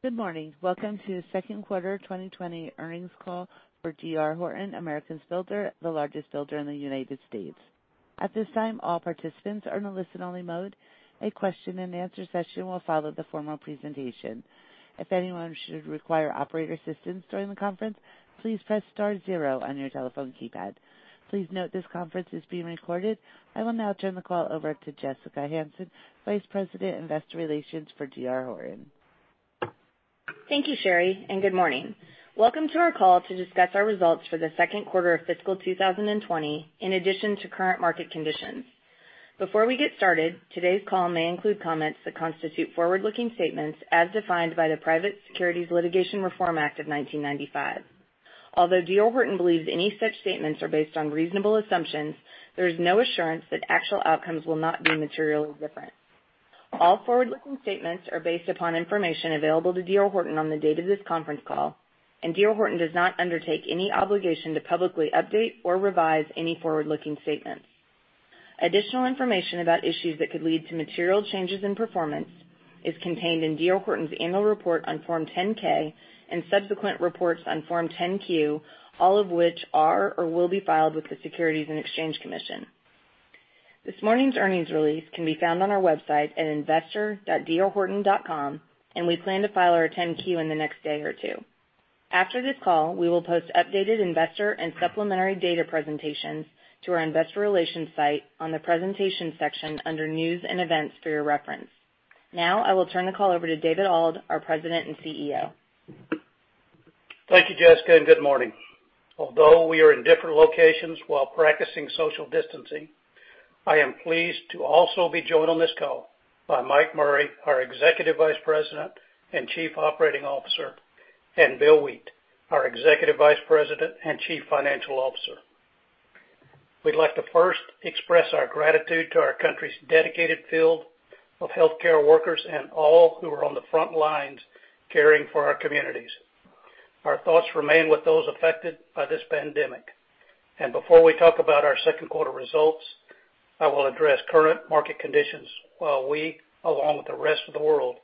Good morning. Welcome to the Second Quarter 2020 Earnings Call for D.R. Horton, America's builder, the largest builder in the U.S. At this time, all participants are in a listen-only mode. A question and answer session will follow the formal presentation. If anyone should require operator assistance during the conference, please press star zero on your telephone keypad. Please note this conference is being recorded. I will now turn the call over to Jessica Hansen, Vice President, Investor Relations for D.R. Horton. Thank you, Sherry, and good morning. Welcome to our call to discuss our results for the second quarter of fiscal 2020 in addition to current market conditions. Before we get started, today's call may include comments that constitute forward-looking statements as defined by the Private Securities Litigation Reform Act of 1995. Although D.R. Horton believes any such statements are based on reasonable assumptions, there is no assurance that actual outcomes will not be materially different. All forward-looking statements are based upon information available to D.R. Horton on the date of this conference call, D.R. Horton does not undertake any obligation to publicly update or revise any forward-looking statements. Additional information about issues that could lead to material changes in performance is contained in D.R. Horton's annual report on Form 10-K and subsequent reports on Form 10-Q, all of which are or will be filed with the Securities and Exchange Commission. This morning's earnings release can be found on our website at investor.drhorton.com, and we plan to file our 10-Q in the next day or two. After this call, we will post updated investor and supplementary data presentations to our Investor Relations site on the presentation section under news and events for your reference. I will turn the call over to David Auld, our President and CEO. Thank you, Jessica, and good morning. Although we are in different locations while practicing social distancing, I am pleased to also be joined on this call by Mike Murray, our Executive Vice President and Chief Operating Officer, and Bill Wheat, our Executive Vice President and Chief Financial Officer. We'd like to first express our gratitude to our country's dedicated field of healthcare workers and all who are on the front lines caring for our communities. Our thoughts remain with those affected by this pandemic. Before we talk about our second quarter results, I will address current market conditions while we, along with the rest of the world,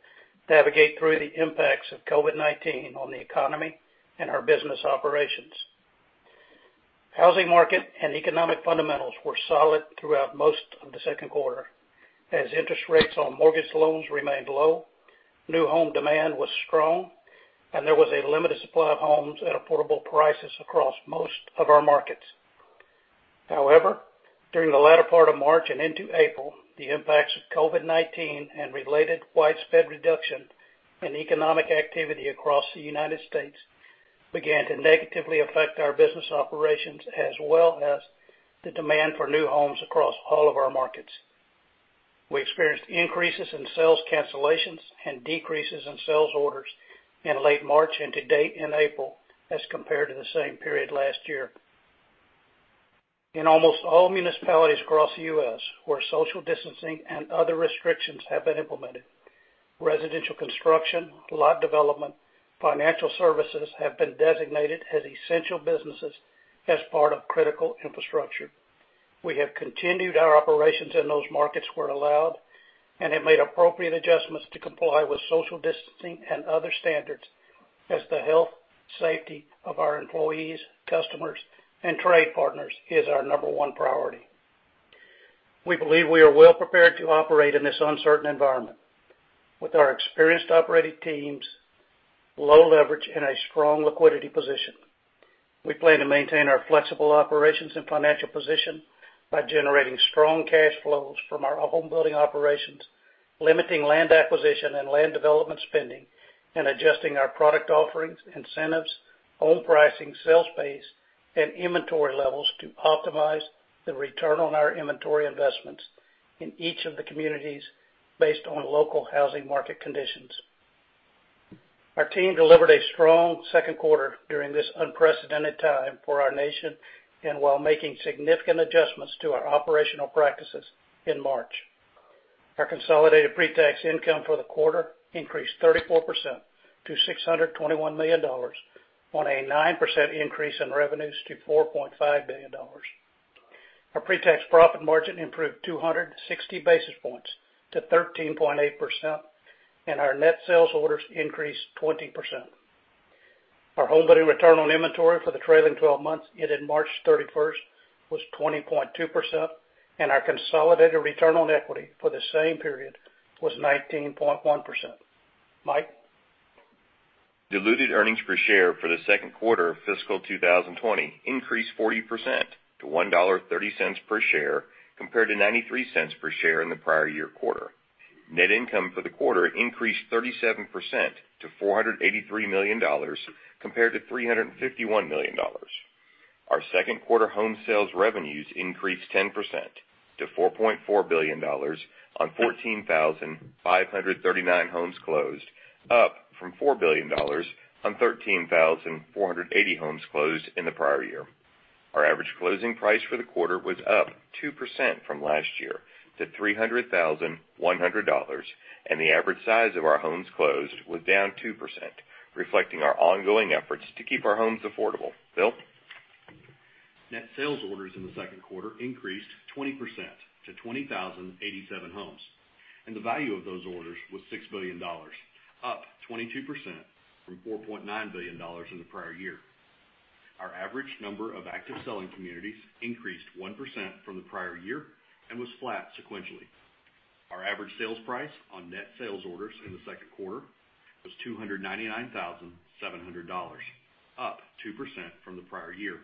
navigate through the impacts of COVID-19 on the economy and our business operations. Housing market and economic fundamentals were solid throughout most of the second quarter. As interest rates on mortgage loans remained low, new home demand was strong, and there was a limited supply of homes at affordable prices across most of our markets. During the latter part of March and into April, the impacts of COVID-19 and related widespread reduction in economic activity across the U.S. began to negatively affect our business operations as well as the demand for new homes across all of our markets. We experienced increases in sales cancellations and decreases in sales orders in late March and to date in April as compared to the same period last year. In almost all municipalities across the U.S. where social distancing and other restrictions have been implemented, residential construction, lot development, financial services have been designated as essential businesses as part of critical infrastructure. We have continued our operations in those markets where allowed, and have made appropriate adjustments to comply with social distancing and other standards as the health, safety of our employees, customers, and trade partners is our number one priority. We believe we are well prepared to operate in this uncertain environment. With our experienced operating teams, low leverage, and a strong liquidity position, we plan to maintain our flexible operations and financial position by generating strong cash flows from our home building operations, limiting land acquisition and land development spending, and adjusting our product offerings, incentives, home pricing, sales pace, and inventory levels to optimize the return on our inventory investments in each of the communities based on local housing market conditions. Our team delivered a strong second quarter during this unprecedented time for our nation and while making significant adjustments to our operational practices in March. Our consolidated pre-tax income for the quarter increased 34% to $621 million on a 9% increase in revenues to $4.5 billion. Our pre-tax profit margin improved 260 basis points to 13.8%, and our net sales orders increased 20%. Our homebuilding return on inventory for the trailing 12 months ended March 31st was 20.2%, and our consolidated return on equity for the same period was 19.1%. Mike? Diluted earnings per share for the second quarter of fiscal 2020 increased 40% to $1.30 per share compared to $0.93 per share in the prior year quarter. Net income for the quarter increased 37% to $483 million compared to $351 million. Our second quarter home sales revenues increased 10% to $4.4 billion on 14,539 homes closed, up from $4 billion on 13,480 homes closed in the prior year. Our average closing price for the quarter was up 2% from last year to $300,100, and the average size of our homes closed was down 2%, reflecting our ongoing efforts to keep our homes affordable. Bill? Net sales orders in the second quarter increased 20% to 20,087 homes, and the value of those orders was $6 billion, up 22% from $4.9 billion in the prior year. Our average number of active selling communities increased 1% from the prior year and was flat sequentially. Our average sales price on net sales orders in the second quarter was $299,700, up 2% from the prior year.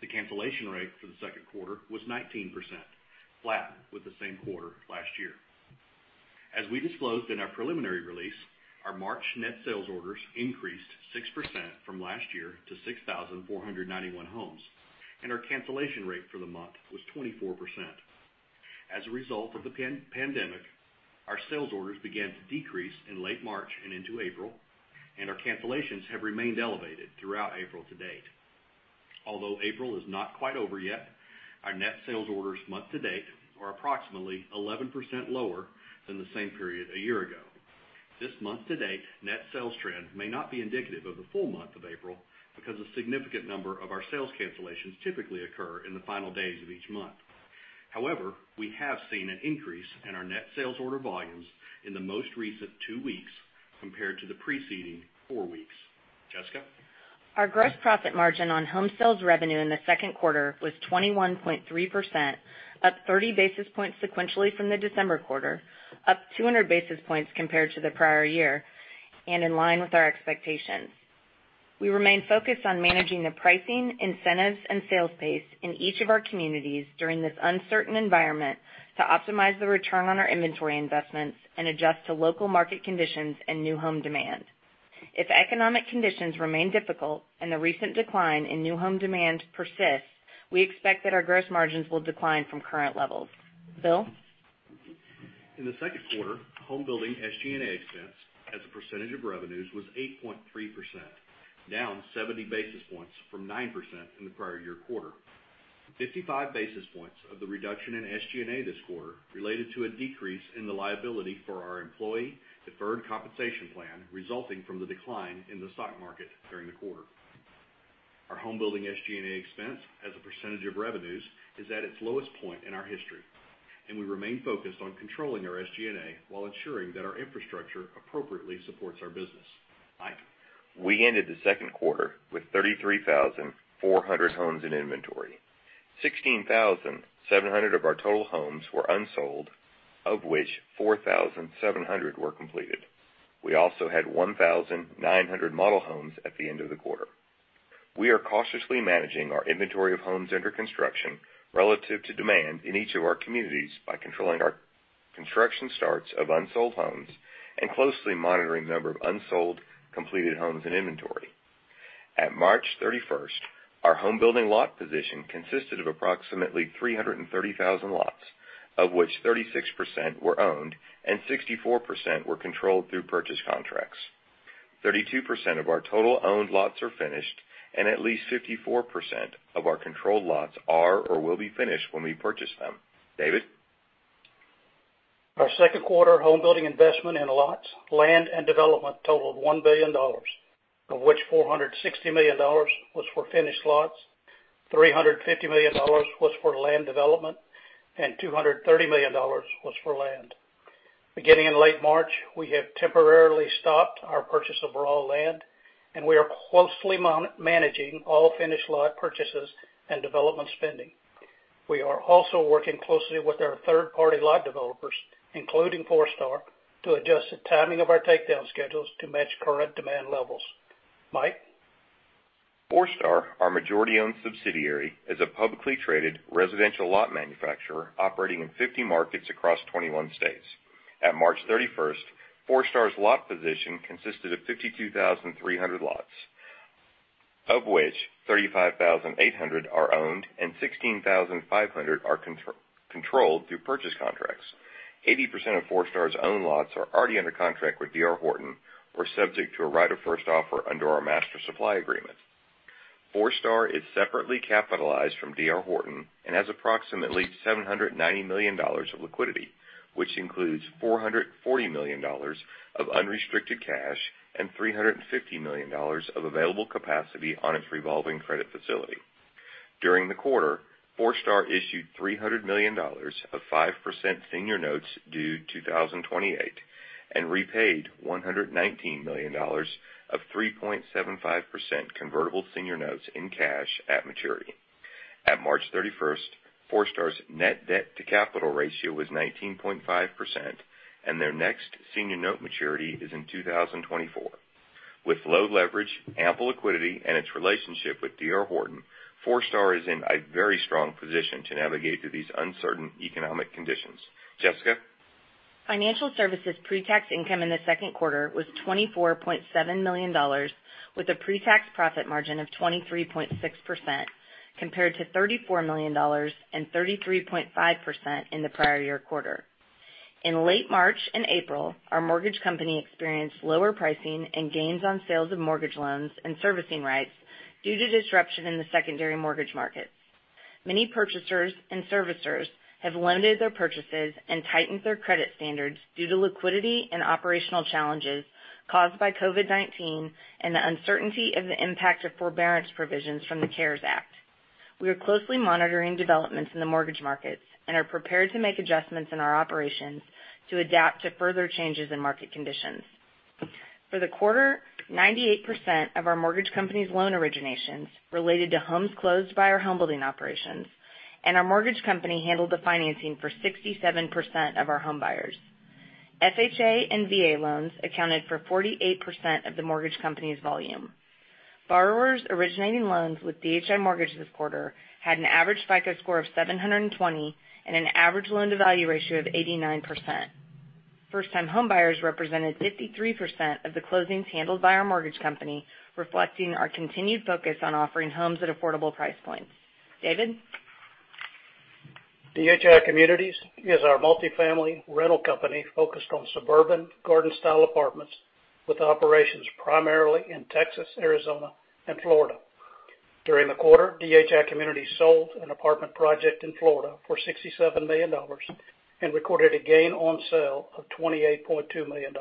The cancellation rate for the second quarter was 19%, flat with the same quarter last year. As we disclosed in our preliminary release, our March net sales orders increased 6% from last year to 6,491 homes, and our cancellation rate for the month was 24%. As a result of the pandemic, our sales orders began to decrease in late March and into April, and our cancellations have remained elevated throughout April to date. Although April is not quite over yet, our net sales orders month to date are approximately 11% lower than the same period a year ago. This month to date net sales trend may not be indicative of the full month of April because a significant number of our sales cancellations typically occur in the final days of each month. We have seen an increase in our net sales order volumes in the most recent two weeks compared to the preceding four weeks. Jessica? Our gross profit margin on home sales revenue in the second quarter was 21.3%, up 30 basis points sequentially from the December quarter, up 200 basis points compared to the prior year, and in line with our expectations. We remain focused on managing the pricing, incentives, and sales pace in each of our communities during this uncertain environment to optimize the return on our inventory investments and adjust to local market conditions and new home demand. If economic conditions remain difficult and the recent decline in new home demand persists, we expect that our gross margins will decline from current levels. Bill? In the second quarter, home building SG&A expense as a percentage of revenues was 8.3%, down 70 basis points from 9% in the prior year quarter. 55 basis points of the reduction in SG&A this quarter related to a decrease in the liability for our employee deferred compensation plan, resulting from the decline in the stock market during the quarter. Our home building SG&A expense as a percentage of revenues is at its lowest point in our history, and we remain focused on controlling our SG&A while ensuring that our infrastructure appropriately supports our business. Mike? We ended the second quarter with 33,400 homes in inventory. 16,700 of our total homes were unsold, of which 4,700 were completed. We also had 1,900 model homes at the end of the quarter. We are cautiously managing our inventory of homes under construction relative to demand in each of our communities by controlling our construction starts of unsold homes and closely monitoring the number of unsold completed homes and inventory. At March 31st, our home building lot position consisted of approximately 330,000 lots, of which 36% were owned and 64% were controlled through purchase contracts. 32% of our total owned lots are finished, and at least 54% of our controlled lots are or will be finished when we purchase them. David? Our second quarter home building investment in lots, land, and development totaled $1 billion, of which $460 million was for finished lots, $350 million was for land development, and $230 million was for land. Beginning in late March, we have temporarily stopped our purchase of raw land. We are closely managing all finished lot purchases and development spending. We are also working closely with our third-party lot developers, including Forestar, to adjust the timing of our takedown schedules to match current demand levels. Mike? Forestar, our majority-owned subsidiary, is a publicly traded residential lot manufacturer operating in 50 markets across 21 states. At March 31st, Forestar's lot position consisted of 52,300 lots, of which 35,800 are owned and 16,500 are controlled through purchase contracts. 80% of Forestar's own lots are already under contract with D.R. Horton or subject to a right of first offer under our master supply agreement. Forestar is separately capitalized from D.R. Horton and has approximately $790 million of liquidity, which includes $440 million of unrestricted cash and $350 million of available capacity on its revolving credit facility. During the quarter, Forestar issued $300 million of 5% senior notes due 2028 and repaid $119 million of 3.75% convertible senior notes in cash at maturity. At March 31st, Forestar's net debt to capital ratio was 19.5%, and their next senior note maturity is in 2024. With low leverage, ample liquidity, and its relationship with D.R. Horton, Forestar is in a very strong position to navigate through these uncertain economic conditions. Jessica? Financial Services pre-tax income in the second quarter was $24.7 million with a pre-tax profit margin of 23.6%, compared to $34 million and 33.5% in the prior year quarter. In late March and April, our mortgage company experienced lower pricing and gains on sales of mortgage loans and servicing rights due to disruption in the secondary mortgage market. Many purchasers and servicers have loaned their purchases and tightened their credit standards due to liquidity and operational challenges caused by COVID-19 and the uncertainty of the impact of forbearance provisions from the CARES Act. We are closely monitoring developments in the mortgage markets and are prepared to make adjustments in our operations to adapt to further changes in market conditions. For the quarter, 98% of our mortgage company's loan originations related to homes closed by our home building operations, and our mortgage company handled the financing for 67% of our home buyers. FHA and VA loans accounted for 48% of the mortgage company's volume. Borrowers originating loans with DHI Mortgage this quarter had an average FICO score of 720 and an average loan-to-value ratio of 89%. First-time homebuyers represented 53% of the closings handled by our mortgage company, reflecting our continued focus on offering homes at affordable price points. David? DHI Communities is our multi-family rental company focused on suburban garden-style apartments with operations primarily in Texas, Arizona, and Florida. During the quarter, DHI Communities sold an apartment project in Florida for $67 million and recorded a gain on sale of $28.2 million.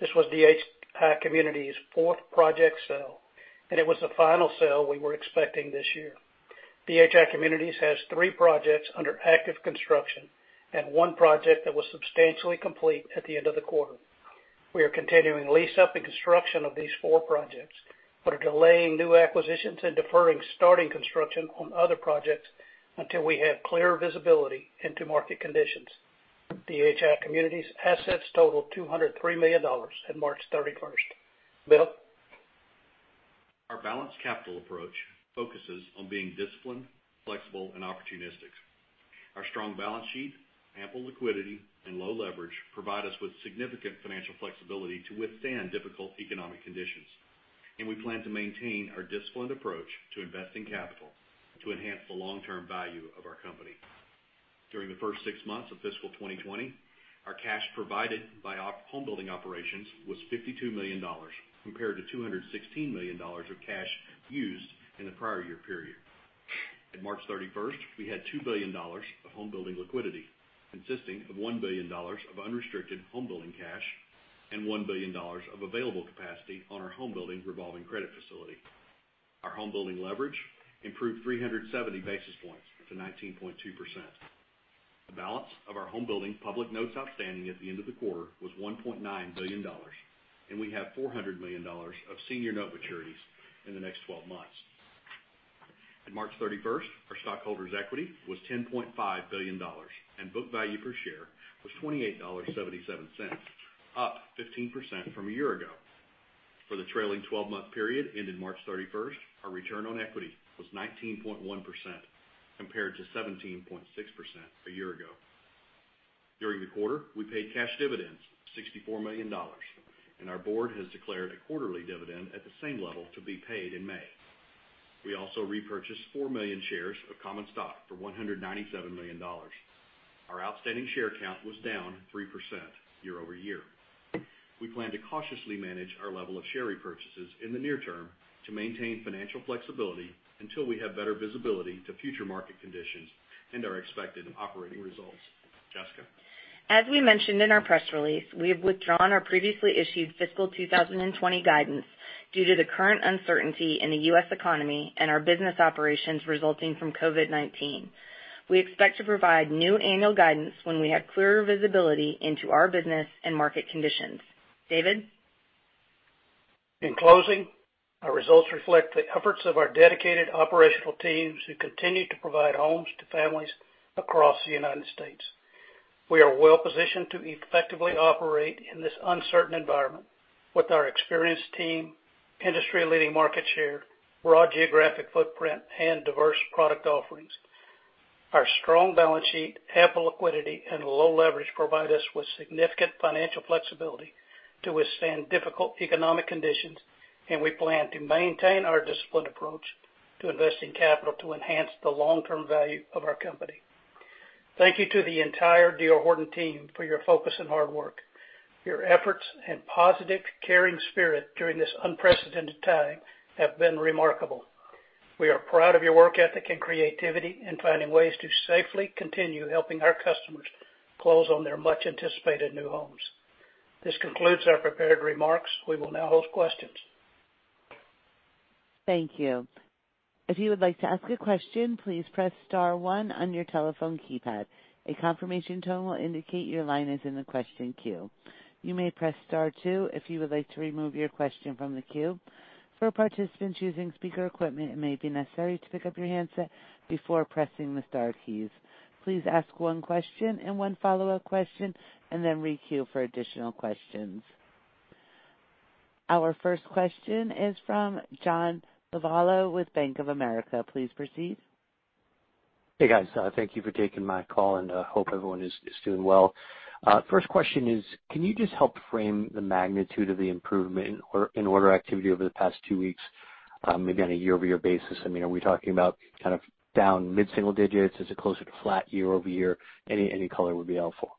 This was DHI Communities' fourth project sale, and it was the final sale we were expecting this year. DHI Communities has three projects under active construction and one project that was substantially complete at the end of the quarter. We are continuing lease-up and construction of these four projects, but are delaying new acquisitions and deferring starting construction on other projects until we have clear visibility into market conditions. DHI Communities assets totaled $203 million at March 31st. Bill? Our balanced capital approach focuses on being disciplined, flexible, and opportunistic. Our strong balance sheet, ample liquidity, and low leverage provide us with significant financial flexibility to withstand difficult economic conditions, and we plan to maintain our disciplined approach to investing capital to enhance the long-term value of our company. During the first six months of fiscal 2020, our cash provided by home building operations was $52 million compared to $216 million of cash used in the prior year period. At March 31st, we had $2 billion of home building liquidity consisting of $1 billion of unrestricted home building cash and $1 billion of available capacity on our home building revolving credit facility. Our home building leverage improved 370 basis points to 19.2%. The balance of our home building public notes outstanding at the end of the quarter was $1.9 billion, and we have $400 million of senior note maturities in the next 12 months. At March 31st, our stockholders' equity was $10.5 billion, and book value per share was $28.77, up 15% from a year ago. For the trailing 12-month period ended March 31st, our return on equity was 19.1% compared to 17.6% a year ago. During the quarter, we paid cash dividends of $64 million, and our board has declared a quarterly dividend at the same level to be paid in May. We also repurchased four million shares of common stock for $197 million. Our outstanding share count was down 3% year-over-year. We plan to cautiously manage our level of share repurchases in the near term to maintain financial flexibility until we have better visibility to future market conditions and our expected operating results. Jessica? As we mentioned in our press release, we have withdrawn our previously issued fiscal 2020 guidance due to the current uncertainty in the U.S. economy and our business operations resulting from COVID-19. We expect to provide new annual guidance when we have clearer visibility into our business and market conditions. David? In closing, our results reflect the efforts of our dedicated operational teams who continue to provide homes to families across the United States. We are well positioned to effectively operate in this uncertain environment with our experienced team, industry-leading market share, broad geographic footprint, and diverse product offerings. Our strong balance sheet, ample liquidity, and low leverage provide us with significant financial flexibility to withstand difficult economic conditions, and we plan to maintain our disciplined approach to investing capital to enhance the long-term value of our company. Thank you to the entire D.R. Horton team for your focus and hard work. Your efforts and positive, caring spirit during this unprecedented time have been remarkable. We are proud of your work ethic and creativity in finding ways to safely continue helping our customers close on their much-anticipated new homes. This concludes our prepared remarks. We will now host questions. Thank you. If you would like to ask a question, please press star one on your telephone keypad. A confirmation tone will indicate your line is in the question queue. You may press star two if you would like to remove your question from the queue. For participants using speaker equipment, it may be necessary to pick up your handset before pressing the star keys. Please ask one question and one follow-up question, and then re-queue for additional questions. Our first question is from John Lovallo with Bank of America. Please proceed. Hey, guys. Thank you for taking my call, and I hope everyone is doing well. First question is, can you just help frame the magnitude of the improvement in order activity over the past two weeks, maybe on a year-over-year basis? Are we talking about down mid-single digits? Is it closer to flat year-over-year? Any color would be helpful.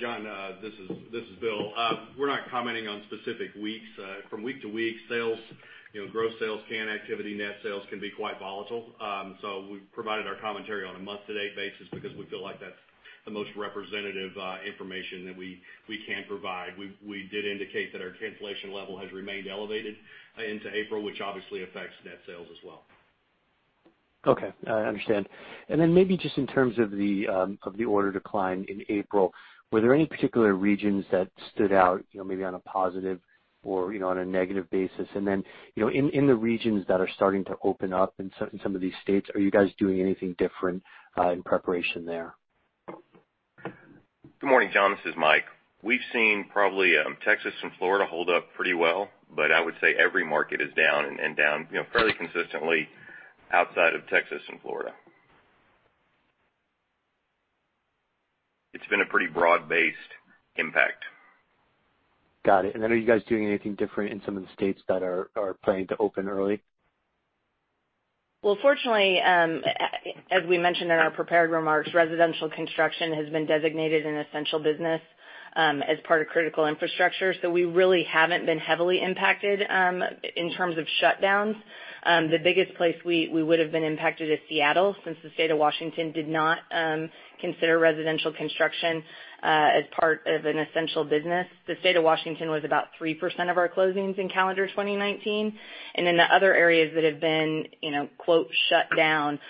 John, this is Bill. We're not commenting on specific weeks. From week-to-week, sales, gross sales, cancel activity, net sales can be quite volatile. We've provided our commentary on a month-to-date basis because we feel like that's the most representative information that we can provide. We did indicate that our cancellation level has remained elevated into April, which obviously affects net sales as well. Okay. I understand. Maybe just in terms of the order decline in April, were there any particular regions that stood out, maybe on a positive or on a negative basis? In the regions that are starting to open up in some of these states, are you guys doing anything different in preparation there? Good morning, John. This is Mike. We've seen probably Texas and Florida hold up pretty well, but I would say every market is down and down fairly consistently outside of Texas and Florida. It's been a pretty broad-based impact. Got it. Are you guys doing anything different in some of the states that are planning to open early? Well, fortunately, as we mentioned in our prepared remarks, residential construction has been designated an essential business as part of critical infrastructure. We really haven't been heavily impacted in terms of shutdowns. The biggest place we would've been impacted is Seattle, since the state of Washington did not consider residential construction as part of an essential business. The state of Washington was about 3% of our closings in calendar 2019. The other areas that have been, quote, "shut down"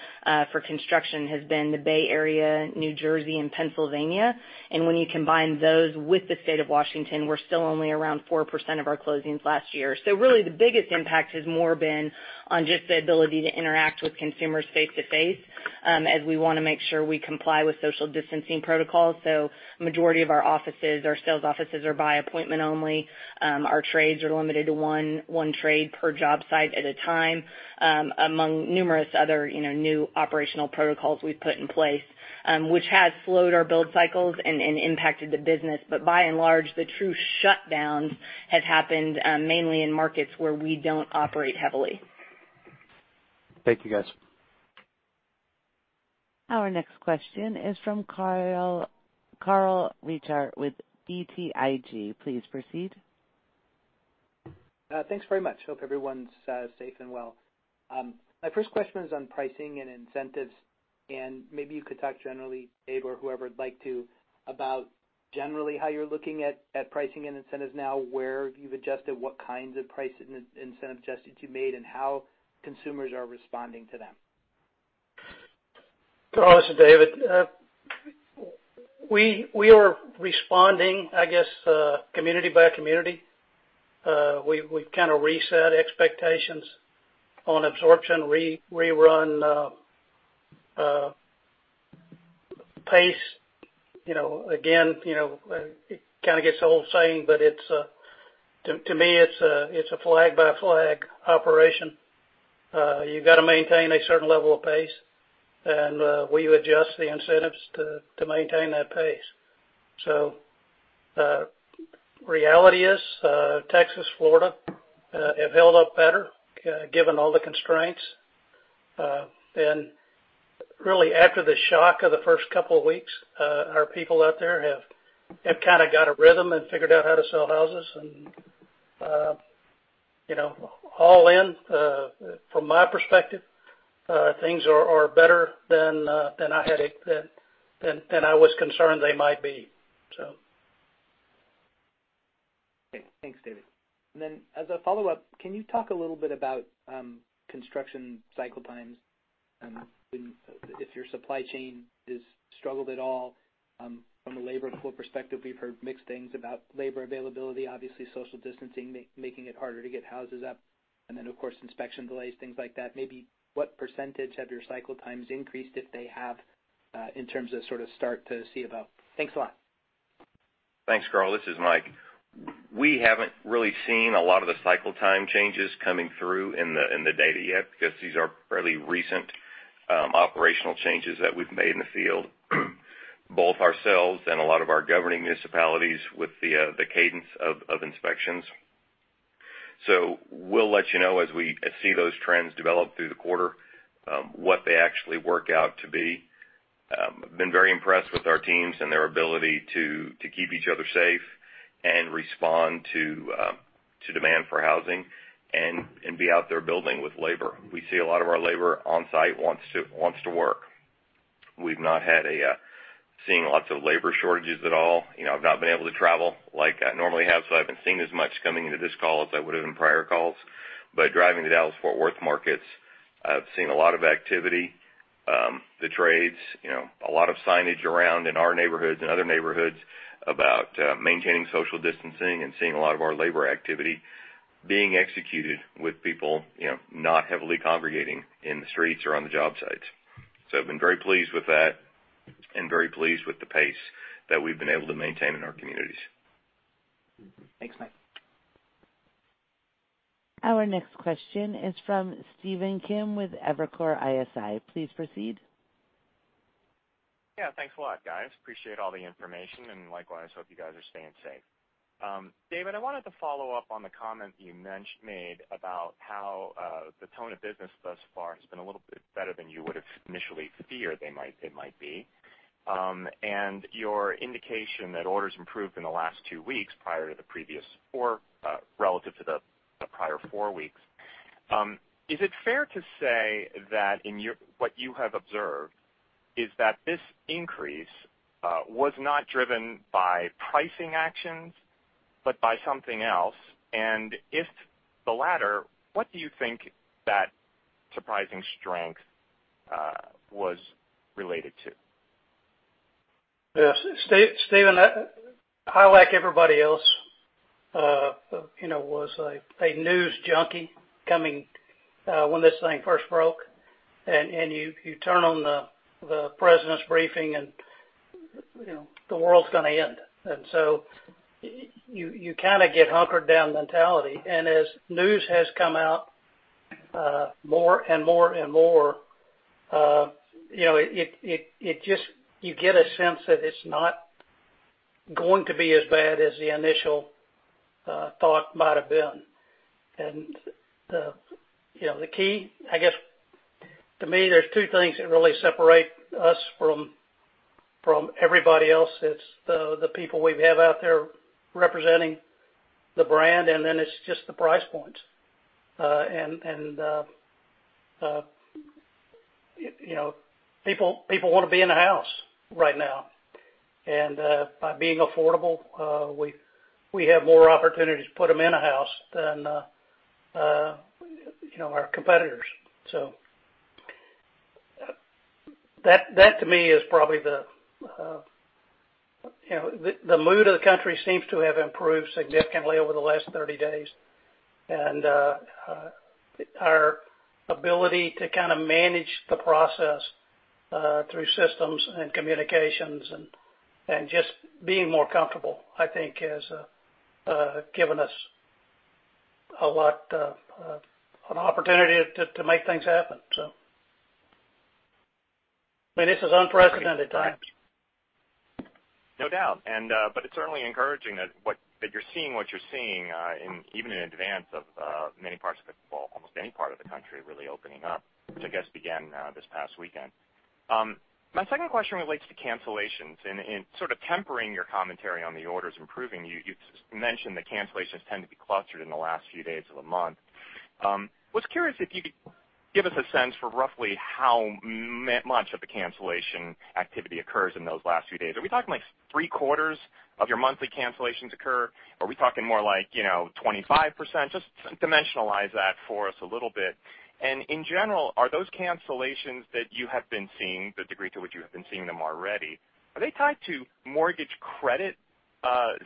for construction has been the Bay Area, New Jersey and Pennsylvania. When you combine those with the state of Washington, we're still only around 4% of our closings last year. Really the biggest impact has more been on just the ability to interact with consumers face-to-face, as we want to make sure we comply with social distancing protocols. The majority of our offices, our sales offices are by appointment only. Our trades are limited to one trade per job site at a time, among numerous other new operational protocols we've put in place, which has slowed our build cycles and impacted the business. By and large, the true shutdowns have happened mainly in markets where we don't operate heavily. Thank you, guys. Our next question is from Carl Reichardt with BTIG. Please proceed. Thanks very much. Hope everyone's safe and well. My first question is on pricing and incentives, and maybe you could talk generally, Dave, or whoever'd like to, about generally how you're looking at pricing and incentives now, where you've adjusted, what kinds of price incentive adjustments you made, and how consumers are responding to them. Carl, this is David. We are responding, I guess, community-by-community. We've kind of reset expectations on absorption. We run pace. Again, it kind of gets the old saying, but to me, it's a flag by flag operation. You got to maintain a certain level of pace, and we adjust the incentives to maintain that pace. The reality is, Texas, Florida have held up better given all the constraints. Really after the shock of the first couple of weeks, our people out there have kind of got a rhythm and figured out how to sell houses and all in, from my perspective, things are better than I was concerned they might be. Okay. Thanks, David. As a follow-up, can you talk a little bit about construction cycle times and if your supply chain has struggled at all from a labor pool perspective? We've heard mixed things about labor availability, obviously social distancing making it harder to get houses up, and then of course inspection delays, things like that. Maybe what percentage have your cycle times increased, if they have, in terms of sort of start to see about. Thanks a lot. Thanks, Carl. This is Mike. We haven't really seen a lot of the cycle time changes coming through in the data yet because these are fairly recent operational changes that we've made in the field, both ourselves and a lot of our governing municipalities with the cadence of inspections. We'll let you know as we see those trends develop through the quarter what they actually work out to be. I've been very impressed with our teams and their ability to keep each other safe and respond to demand for housing and be out there building with labor. We see a lot of our labor on site wants to work. We've not seen lots of labor shortages at all. I've not been able to travel like I normally have, so I haven't seen as much coming into this call as I would have in prior calls. Driving to Dallas-Fort Worth markets, I've seen a lot of activity. The trades, a lot of signage around in our neighborhoods and other neighborhoods about maintaining social distancing and seeing a lot of our labor activity being executed with people not heavily congregating in the streets or on the job sites. I've been very pleased with that and very pleased with the pace that we've been able to maintain in our communities. Thanks, Mike. Our next question is from Stephen Kim with Evercore ISI. Please proceed. Yeah, thanks a lot, guys. Appreciate all the information, and likewise, hope you guys are staying safe. David, I wanted to follow up on the comment you made about how the tone of business thus far has been a little bit better than you would've initially feared they might be, and your indication that orders improved in the last two weeks relative to the prior four weeks. Is it fair to say that in what you have observed is that this increase was not driven by pricing actions, but by something else, and if the latter, what do you think that surprising strength was related to? Yes. Stephen, I, like everybody else, was a news junkie when this thing first broke. You turn on the president's briefing and the world's going to end. You get hunkered down mentality. As news has come out more and more and more, you get a sense that it's not going to be as bad as the initial thought might've been. The key, I guess, to me, there's two things that really separate us from everybody else. It's the people we have out there representing the brand. Then it's just the price points. People want to be in a house right now. By being affordable, we have more opportunities to put them in a house than our competitors. That to me is probably the mood of the country seems to have improved significantly over the last 30 days. Our ability to manage the process through systems and communications and just being more comfortable, I think, has given us an opportunity to make things happen. This is unprecedented times. No doubt. It's certainly encouraging that you're seeing what you're seeing, even in advance of many parts of the globe, almost any part of the country really opening up, which I guess began this past weekend. My second question relates to cancellations and sort of tempering your commentary on the orders improving. You mentioned that cancellations tend to be clustered in the last few days of the month. I was curious if you could give us a sense for roughly how much of the cancellation activity occurs in those last few days. Are we talking like three quarters of your monthly cancellations occur? Are we talking more like 25%? Just dimensionalize that for us a little bit. In general, are those cancellations that you have been seeing, the degree to which you have been seeing them already, are they tied to mortgage credit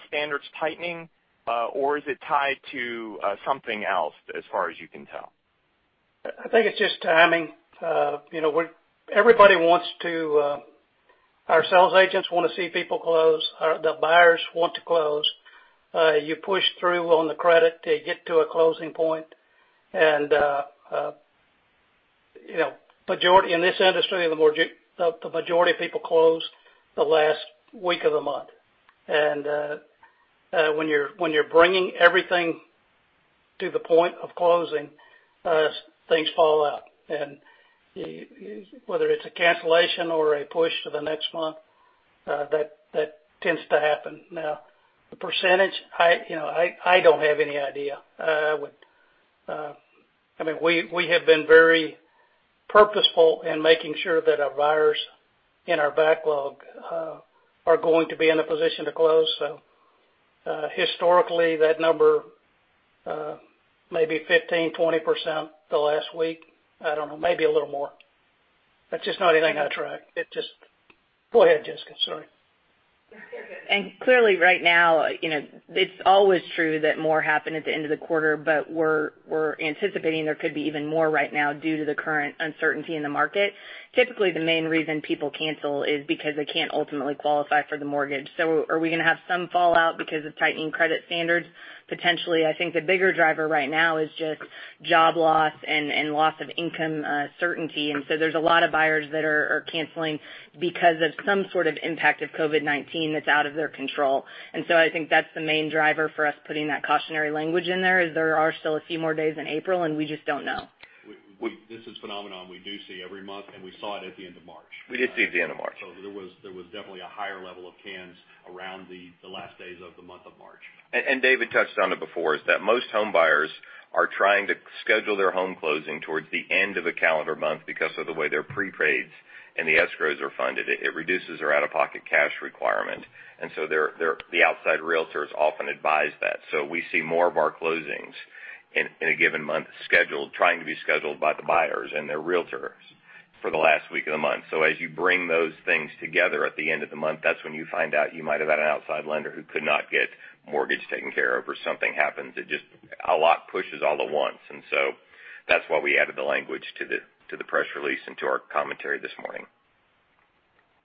standards tightening? Is it tied to something else as far as you can tell? I think it's just timing. Our sales agents want to see people close. The buyers want to close. You push through on the credit to get to a closing point. In this industry, the majority of people close the last week of the month. When you're bringing everything to the point of closing, things fall out. Whether it's a cancellation or a push to the next month, that tends to happen. Now, the percentage, I don't have any idea. We have been very purposeful in making sure that our buyers in our backlog are going to be in a position to close. Historically, that number maybe 15%-20% the last week. I don't know, maybe a little more. That's just not anything I track. Go ahead, Jessica. Sorry. No, you're good. Clearly right now, it's always true that more happen at the end of the quarter, we're anticipating there could be even more right now due to the current uncertainty in the market. Typically, the main reason people cancel is because they can't ultimately qualify for the mortgage. Are we going to have some fallout because of tightening credit standards? Potentially. I think the bigger driver right now is just job loss and loss of income certainty. There's a lot of buyers that are canceling because of some sort of impact of COVID-19 that's out of their control. I think that's the main driver for us putting that cautionary language in there, is there are still a few more days in April, we just don't know. This is phenomenon we do see every month, and we saw it at the end of March. We did see at the end of March. There was definitely a higher level of cancellations around the last days of the month of March. David touched on it before, is that most homebuyers are trying to schedule their home closing towards the end of a calendar month because of the way their prepaids and the escrows are funded. It reduces their out-of-pocket cash requirement. The outside realtors often advise that. We see more of our closings in a given month trying to be scheduled by the buyers and their realtors for the last week of the month. As you bring those things together at the end of the month, that's when you find out you might've had an outside lender who could not get mortgage taken care of or something happens. A lot pushes all at once. That's why we added the language to the press release and to our commentary this morning.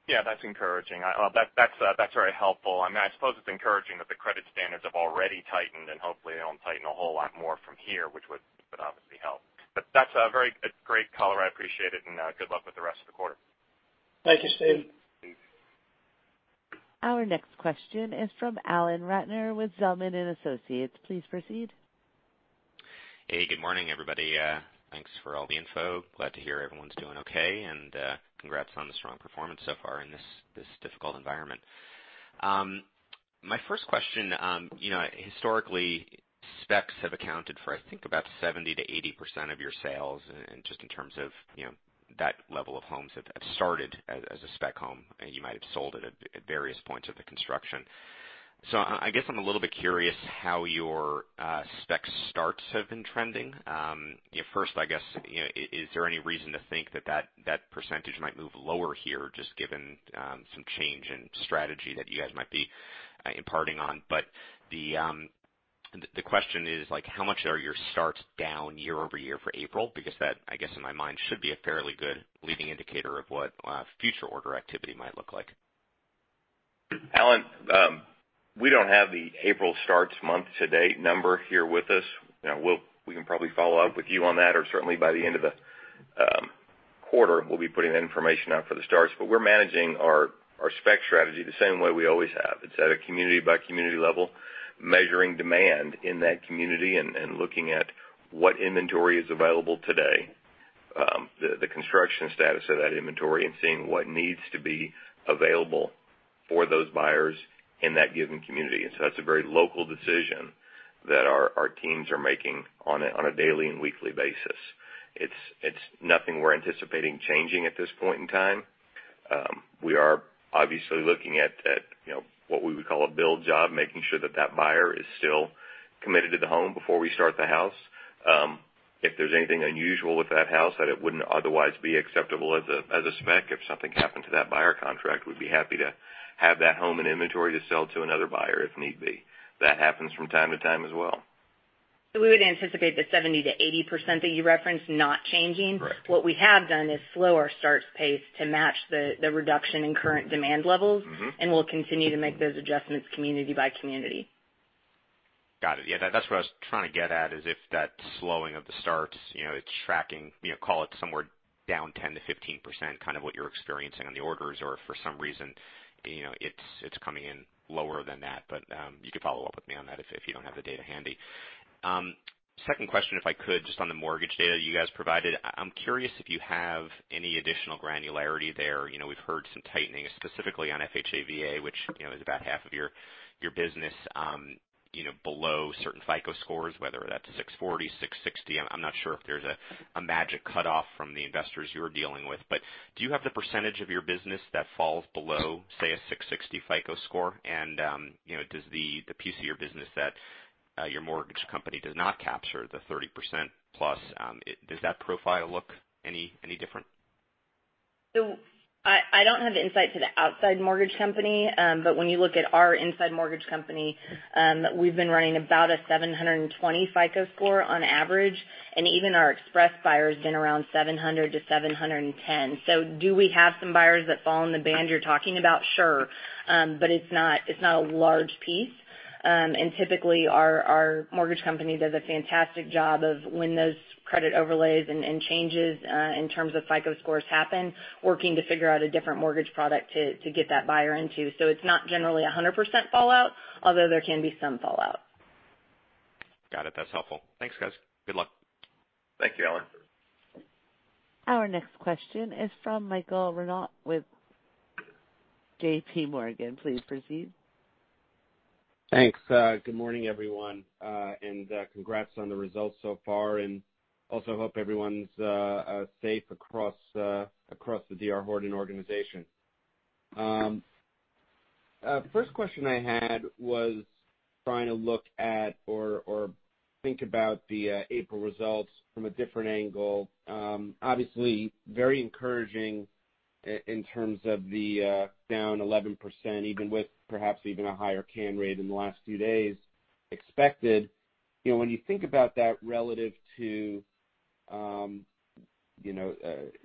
Yeah, that's encouraging. That's very helpful. I suppose it's encouraging that the credit standards have already tightened, and hopefully they don't tighten a whole lot more from here, which would obviously help. That's a very great color. I appreciate it, and good luck with the rest of the quarter. Thank you, Steve. Our next question is from Alan Ratner with Zelman & Associates. Please proceed. Hey, good morning, everybody. Thanks for all the info. Glad to hear everyone's doing okay, and congrats on the strong performance so far in this difficult environment. My first question, historically, specs have accounted for, I think about 70%-80% of your sales. Just in terms of that level of homes have started as a spec home, and you might have sold at various points of the construction. I guess I'm a little bit curious how your spec starts have been trending. First, I guess, is there any reason to think that percentage might move lower here, just given some change in strategy that you guys might be imparting on? The question is: how much are your starts down year-over-year for April? That, I guess, in my mind, should be a fairly good leading indicator of what future order activity might look like. Alan, we don't have the April starts month to date number here with us. We can probably follow up with you on that, or certainly by the end of the quarter, we'll be putting that information out for the starts. We're managing our spec strategy the same way we always have. It's at a community-by-community level, measuring demand in that community and looking at what inventory is available today, the construction status of that inventory, and seeing what needs to be available for those buyers in that given community. That's a very local decision that our teams are making on a daily and weekly basis. It's nothing we're anticipating changing at this point in time. We are obviously looking at what we would call a build job, making sure that that buyer is still committed to the home before we start the house. If there's anything unusual with that house that it wouldn't otherwise be acceptable as a spec, if something happened to that buyer contract, we'd be happy to have that home and inventory to sell to another buyer if need be. That happens from time to time as well. We would anticipate the 70%-80% that you referenced not changing. Correct. What we have done is slow our starts pace to match the reduction in current demand levels. We'll continue to make those adjustments community-by-community. Got it. Yeah, that's what I was trying to get at, is if that slowing of the starts, it's tracking, call it somewhere down 10%-15%, kind of what you're experiencing on the orders or if for some reason, it's coming in lower than that. You can follow up with me on that if you don't have the data handy. Second question, if I could, just on the mortgage data that you guys provided. I'm curious if you have any additional granularity there. We've heard some tightening, specifically on FHA, VA, which is about half of your business below certain FICO scores, whether that's 640, 660. I'm not sure if there's a magic cutoff from the investors you're dealing with. Do you have the percentage of your business that falls below, say, a 660 FICO score? Does the piece of your business that your mortgage company does not capture, the 30% plus, does that profile look any different? I don't have insight to the outside mortgage company. But when you look at our inside mortgage company, we've been running about a 720 FICO score on average, and even our Express buyer has been around 700-710. Do we have some buyers that fall in the band you're talking about? Sure. But it's not a large piece. Typically, our mortgage company does a fantastic job of when those credit overlays and changes in terms of FICO scores happen, working to figure out a different mortgage product to get that buyer into. It's not generally 100% fallout, although there can be some fallout. Got it. That's helpful. Thanks, guys. Good luck. Thank you, Alan. Our next question is from Michael Rehaut with JPMorgan. Please proceed. Thanks. Good morning, everyone. Congrats on the results so far, also hope everyone's safe across the D.R. Horton organization. First question I had was trying to look at or think about the April results from a different angle. Obviously very encouraging in terms of the down 11%, even with perhaps even a higher cancel rate in the last few days expected. When you think about that relative to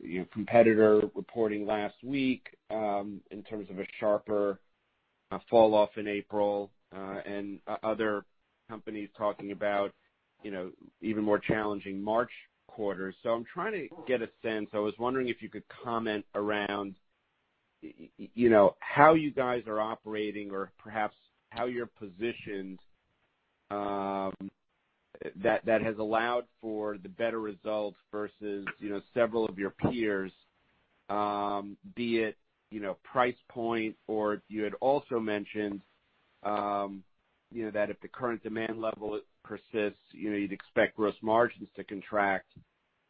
your competitor reporting last week in terms of a sharper fall off in April, other companies talking about even more challenging March quarters. I'm trying to get a sense. I was wondering if you could comment around how you guys are operating or perhaps how you're positioned that has allowed for the better results versus several of your peers, be it price point or you had also mentioned that if the current demand level persists, you'd expect gross margins to contract.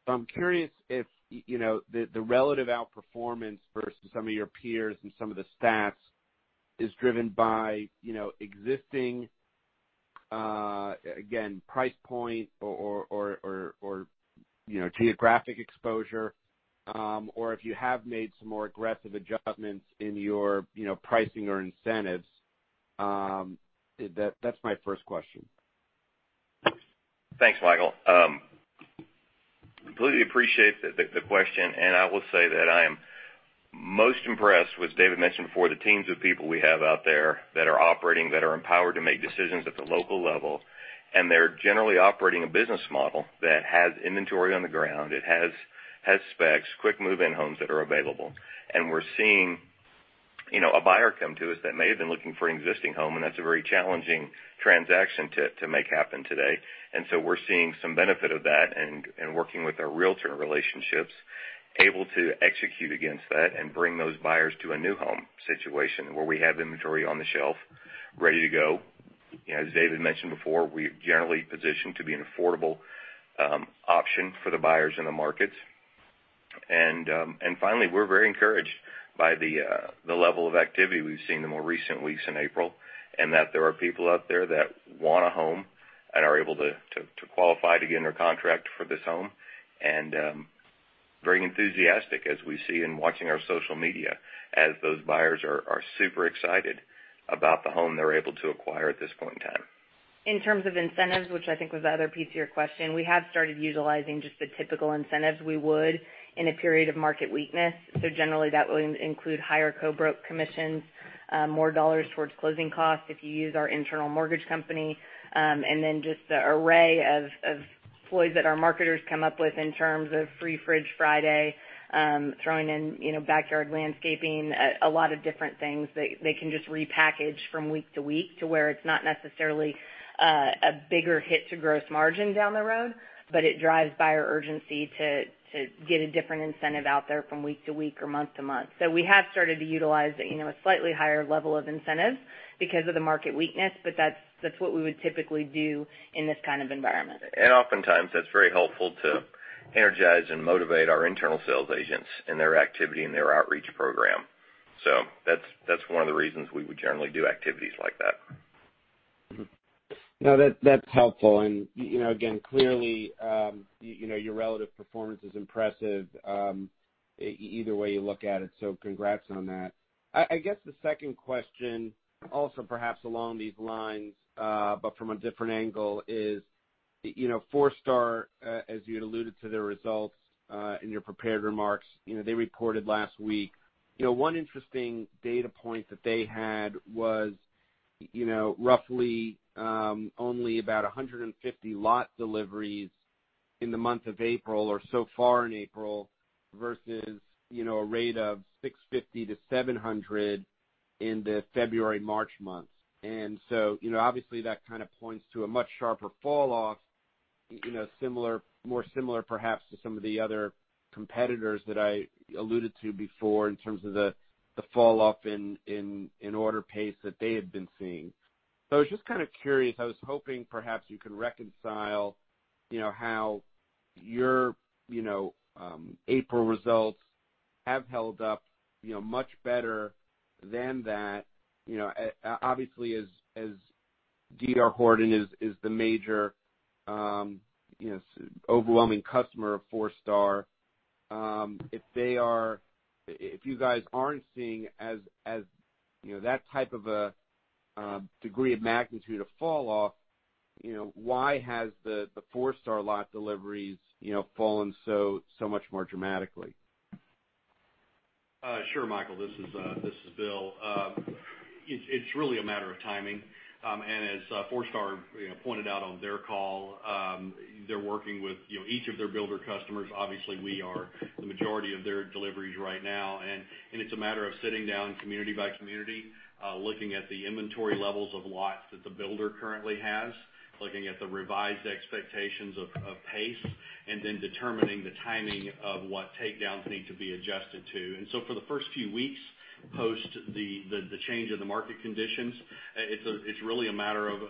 I'm curious if the relative outperformance versus some of your peers and some of the stats is driven by existing, again, price point or geographic exposure, or if you have made some more aggressive adjustments in your pricing or incentives. That's my first question. Thanks, Michael. Completely appreciate the question, and I will say that I am most impressed with, David mentioned before, the teams of people we have out there that are operating, that are empowered to make decisions at the local level, and they're generally operating a business model that has inventory on the ground. It has specs, quick move-in homes that are available. We're seeing a buyer come to us that may have been looking for an existing home, and that's a very challenging transaction to make happen today. We're seeing some benefit of that and working with our realtor relationships, able to execute against that and bring those buyers to a new home situation where we have inventory on the shelf ready to go. As David mentioned before, we are generally positioned to be an affordable option for the buyers in the markets. Finally, we're very encouraged by the level of activity we've seen in the more recent weeks in April, and that there are people out there that want a home and are able to qualify to get under contract for this home. Very enthusiastic as we see in watching our social media as those buyers are super excited about the home they're able to acquire at this point in time. In terms of incentives, which I think was the other piece of your question, we have started utilizing just the typical incentives we would in a period of market weakness. Generally that will include higher co-broke commissions, more dollars towards closing costs if you use our internal mortgage company, and then just the array of ploys that our marketers come up with in terms of free fridge Friday, throwing in backyard landscaping, a lot of different things that they can just repackage from week-to-week to where it's not necessarily a bigger hit to gross margin down the road, but it drives buyer urgency to get a different incentive out there from week-to-week or month-to-month. We have started to utilize a slightly higher level of incentives because of the market weakness, but that's what we would typically do in this kind of environment. Oftentimes, that's very helpful to energize and motivate our internal sales agents in their activity and their outreach program. That's one of the reasons we would generally do activities like that. No, that's helpful. Again, clearly, your relative performance is impressive, either way you look at it. Congrats on that. I guess the second question, also perhaps along these lines, but from a different angle, is Forestar, as you had alluded to their results in your prepared remarks, they reported last week. One interesting data point that they had was roughly only about 150 lot deliveries in the month of April or so far in April versus a rate of 650-700 in the February, March months. Obviously, that kind of points to a much sharper falloff, more similar perhaps to some of the other competitors that I alluded to before in terms of the falloff in order pace that they had been seeing. I was just kind of curious, I was hoping perhaps you could reconcile how your April results have held up much better than that. Obviously, as D.R. Horton is the major overwhelming customer of Forestar, if you guys aren't seeing that type of a degree of magnitude of falloff, why has the Forestar lot deliveries fallen so much more dramatically? Sure, Michael, this is Bill. It's really a matter of timing. As Forestar pointed out on their call, they're working with each of their builder customers. Obviously, we are the majority of their deliveries right now, and it's a matter of sitting down community by community, looking at the inventory levels of lots that the builder currently has, looking at the revised expectations of pace, and then determining the timing of what takedowns need to be adjusted to. For the first few weeks post the change in the market conditions, it's really a matter of,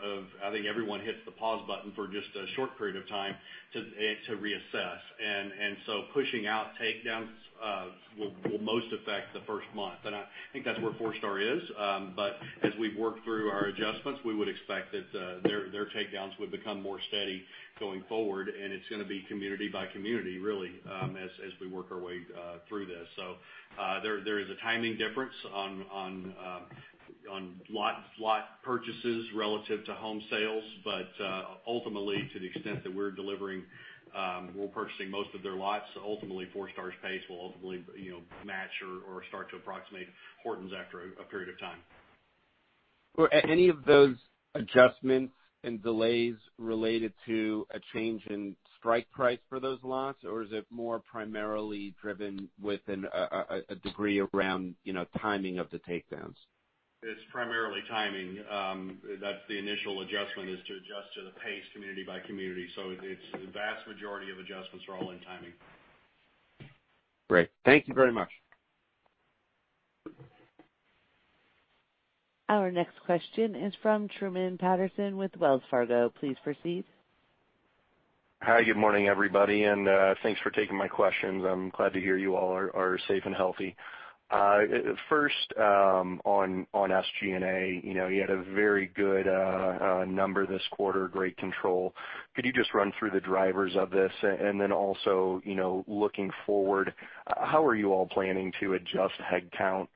I think everyone hits the pause button for just a short period of time to reassess. Pushing out takedowns will most affect the first month. I think that's where Forestar is. As we work through our adjustments, we would expect that their takedowns would become more steady going forward, and it's going to be community-by-community, really, as we work our way through this. There is a timing difference on lot purchases relative to home sales. Ultimately, to the extent that we're delivering, we're purchasing most of their lots. Ultimately, Forestar's pace will ultimately match or start to approximate Horton's after a period of time. Are any of those adjustments and delays related to a change in strike price for those lots, or is it more primarily driven within a degree around timing of the takedowns? It's primarily timing. That's the initial adjustment is to adjust to the pace community-by-community. The vast majority of adjustments are all in timing. Great. Thank you very much. Our next question is from Truman Patterson with Wells Fargo. Please proceed. Hi. Good morning, everybody. Thanks for taking my questions. I'm glad to hear you all are safe and healthy. First, on SG&A, you had a very good number this quarter, great control. Could you just run through the drivers of this? Also, looking forward, how are you all planning to adjust headcount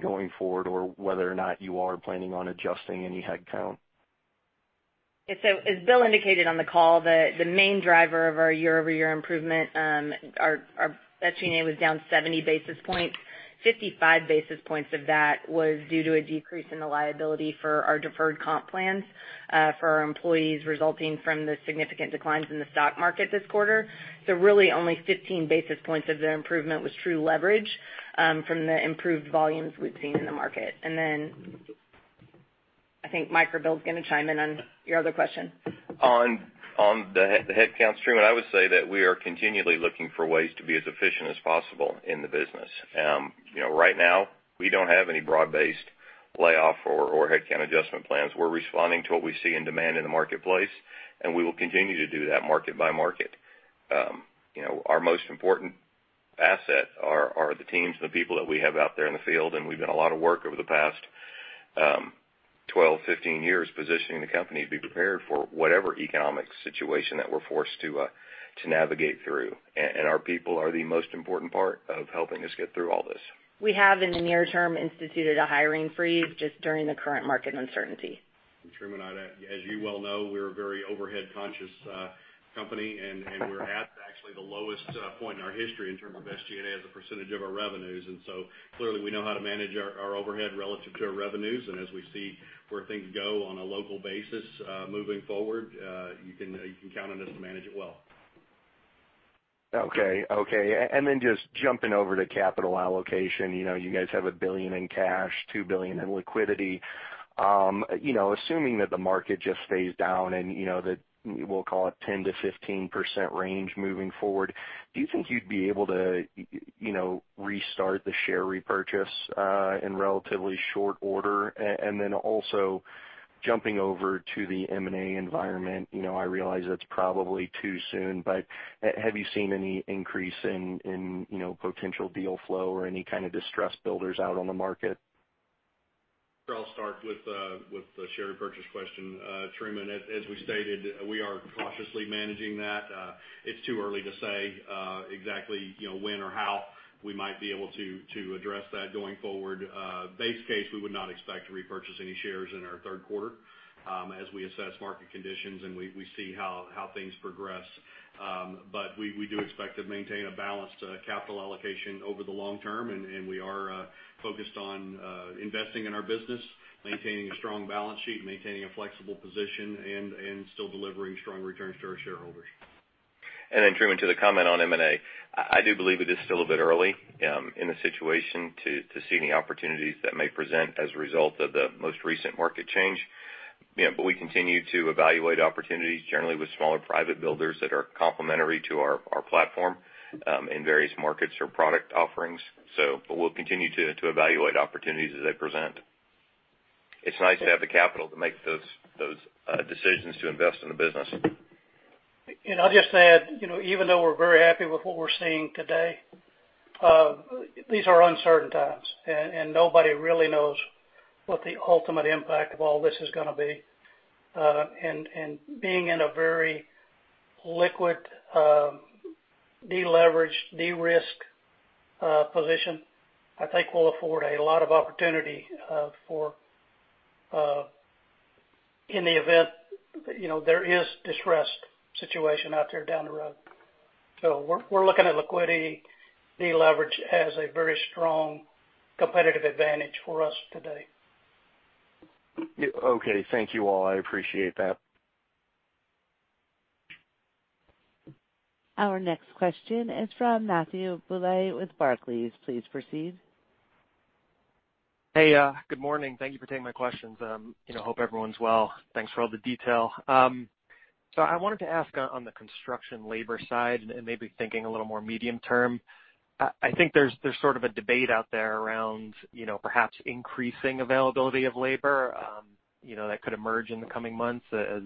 going forward or whether or not you are planning on adjusting any headcount? As Bill indicated on the call, the main driver of our year-over-year improvement, our SG&A was down 70 basis points. 55 basis points of that was due to a decrease in the liability for our deferred comp plans for our employees resulting from the significant declines in the stock market this quarter. Really only 15 basis points of the improvement was true leverage from the improved volumes we've seen in the market. Then I think Mike or Bill's going to chime in on your other question. On the headcount stream, I would say that we are continually looking for ways to be as efficient as possible in the business. Right now, we don't have any broad-based layoff or headcount adjustment plans. We're responding to what we see in demand in the marketplace, we will continue to do that market-by-market. Our most important asset are the teams and the people that we have out there in the field, we've done a lot of work over the past 12, 15 years positioning the company to be prepared for whatever economic situation that we're forced to navigate through. Our people are the most important part of helping us get through all this. We have, in the near term, instituted a hiring freeze just during the current market uncertainty. Truman, as you well know, we're a very overhead-conscious company, and we're at actually the lowest point in our history in terms of SG&A as a percentage of our revenues. Clearly we know how to manage our overhead relative to our revenues. As we see where things go on a local basis moving forward, you can count on us to manage it well. Okay. Just jumping over to capital allocation. You guys have $1 billion in cash, $2 billion in liquidity. Assuming that the market just stays down and that we'll call it 10%-15% range moving forward, do you think you'd be able to restart the share repurchase in relatively short order? Also jumping over to the M&A environment, I realize it's probably too soon, but have you seen any increase in potential deal flow or any kind of distressed builders out on the market? I'll start with the share repurchase question. Truman, as we stated, we are cautiously managing that. It's too early to say exactly when or how we might be able to address that going forward. Base case, we would not expect to repurchase any shares in our third quarter as we assess market conditions and we see how things progress. We do expect to maintain a balanced capital allocation over the long term, and we are focused on investing in our business, maintaining a strong balance sheet, maintaining a flexible position, and still delivering strong returns to our shareholders. Truman, to the comment on M&A, I do believe it is still a bit early in the situation to see any opportunities that may present as a result of the most recent market change. We continue to evaluate opportunities generally with smaller private builders that are complementary to our platform in various markets or product offerings. We'll continue to evaluate opportunities as they present. It's nice to have the capital to make those decisions to invest in the business. I'll just add, even though we're very happy with what we're seeing today, these are uncertain times, and nobody really knows what the ultimate impact of all this is going to be. Being in a very liquid, de-leveraged, de-risked position, I think will afford a lot of opportunity in the event there is distressed situation out there down the road. We're looking at liquidity, de-leverage as a very strong competitive advantage for us today. Okay. Thank you all. I appreciate that. Our next question is from Matthew Bouley with Barclays. Please proceed. Hey, good morning. Thank you for taking my questions. Hope everyone's well. Thanks for all the detail. I wanted to ask on the construction labor side, and maybe thinking a little more medium term. I think there's sort of a debate out there around perhaps increasing availability of labor that could emerge in the coming months as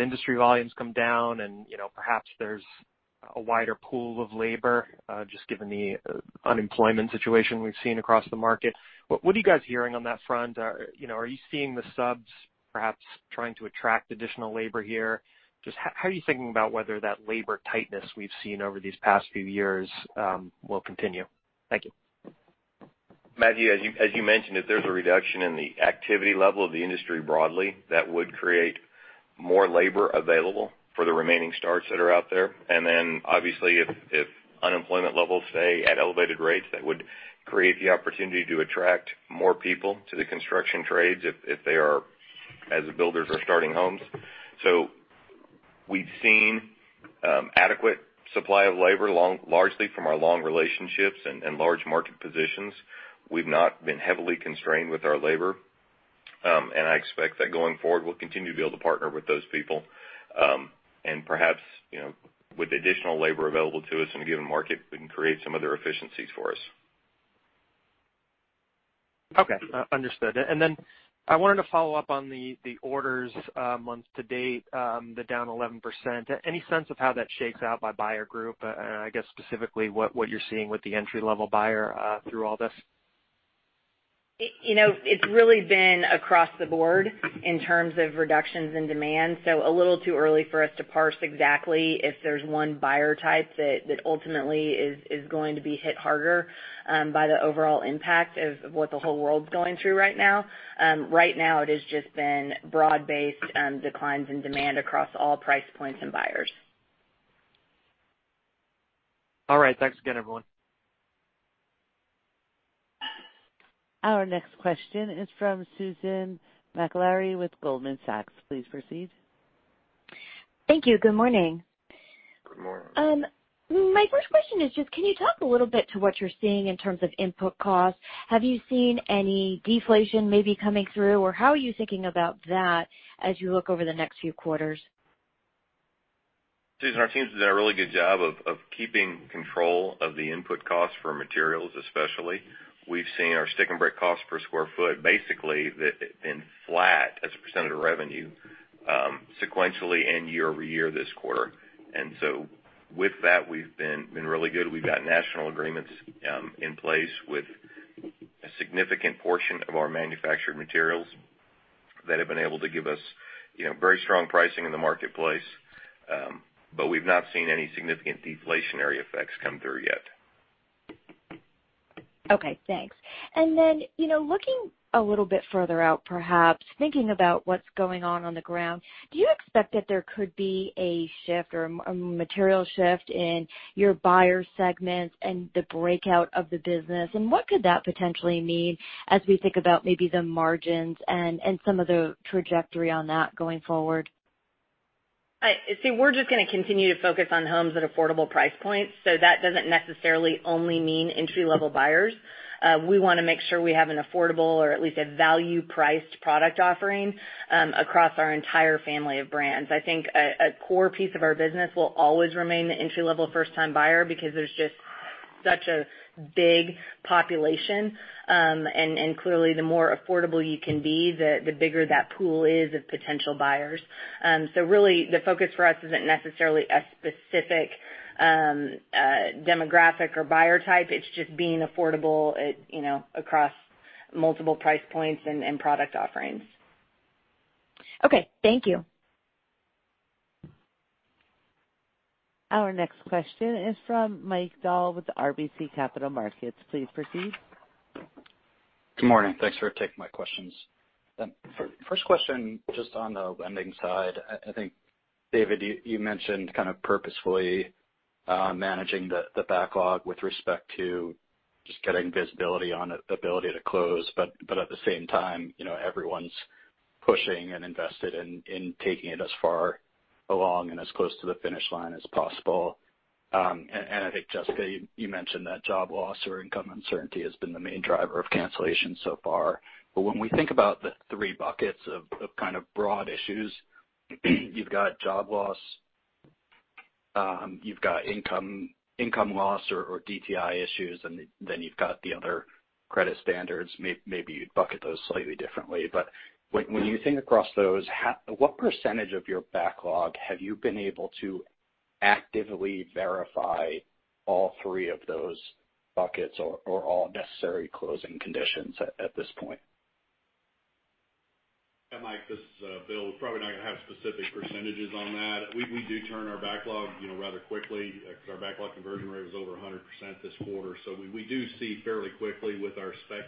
industry volumes come down and perhaps there's a wider pool of labor, just given the unemployment situation we've seen across the market. What are you guys hearing on that front? Are you seeing the subs perhaps trying to attract additional labor here? Just how are you thinking about whether that labor tightness we've seen over these past few years will continue? Thank you. Matthew, as you mentioned, if there's a reduction in the activity level of the industry broadly, that would create more labor available for the remaining starts that are out there. Obviously if unemployment levels stay at elevated rates, that would create the opportunity to attract more people to the construction trades as the builders are starting homes. We've seen adequate supply of labor, largely from our long relationships and large market positions. We've not been heavily constrained with our labor. I expect that going forward, we'll continue to be able to partner with those people. Perhaps, with additional labor available to us in a given market, we can create some other efficiencies for us. Okay. Understood. Then I wanted to follow up on the orders month to date, the down 11%. Any sense of how that shakes out by buyer group? I guess specifically what you're seeing with the entry-level buyer through all this. It's really been across the board in terms of reductions in demand. A little too early for us to parse exactly if there's one buyer type that ultimately is going to be hit harder by the overall impact of what the whole world's going through right now. Right now it has just been broad-based declines in demand across all price points and buyers. All right. Thanks again, everyone. Our next question is from Susan Maklari with Goldman Sachs. Please proceed. Thank you. Good morning. Good morning. My first question is just, can you talk a little bit to what you're seeing in terms of input costs? Have you seen any deflation maybe coming through, or how are you thinking about that as you look over the next few quarters? Susan, our teams did a really good job of keeping control of the input costs for materials, especially. We've seen our stick and brick cost per square foot basically been flat as a percentage of revenue sequentially and year-over-year this quarter. With that, we've been really good. We've got national agreements in place with a significant portion of our manufactured materials that have been able to give us very strong pricing in the marketplace. We've not seen any significant deflationary effects come through yet. Okay, thanks. Looking a little bit further out perhaps, thinking about what's going on the ground, do you expect that there could be a shift or a material shift in your buyer segments and the breakout of the business? What could that potentially mean as we think about maybe the margins and some of the trajectory on that going forward? We're just going to continue to focus on homes at affordable price points, so that doesn't necessarily only mean entry-level buyers. We want to make sure we have an affordable or at least a value-priced product offering across our entire family of brands. I think a core piece of our business will always remain the entry-level first-time buyer because there's just such a big population. Clearly, the more affordable you can be, the bigger that pool is of potential buyers. Really, the focus for us isn't necessarily a specific demographic or buyer type. It's just being affordable across multiple price points and product offerings. Okay. Thank you. Our next question is from Michael Dahl with RBC Capital Markets. Please proceed. Good morning. Thanks for taking my questions. First question, just on the lending side. I think David, you mentioned kind of purposefully managing the backlog with respect to just getting visibility on ability to close. At the same time, everyone's pushing and invested in taking it as far along and as close to the finish line as possible. I think Jessica, you mentioned that job loss or income uncertainty has been the main driver of cancellation so far. When we think about the three buckets of kind of broad issues, you've got job loss, you've got income loss or DTI issues, and then you've got the other credit standards. Maybe you'd bucket those slightly differently. When you think across those, what percentage of your backlog have you been able to actively verify all three of those buckets or all necessary closing conditions at this point? Yeah, Mike, this is Bill. Probably not going to have specific percentage on that. We do turn our backlog rather quickly because our backlog conversion rate was over 100% this quarter. We do see fairly quickly with our spec